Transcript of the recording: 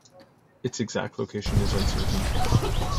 Its exact location is uncertain.